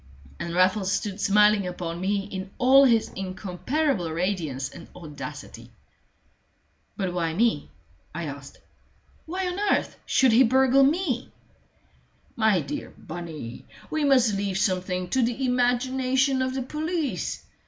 And Raffles stood smiling upon me in all his incomparable radiance and audacity. "But why me?" I asked. "Why on earth should he burgle me?" "My dear Bunny, we must leave something to the imagination of the police.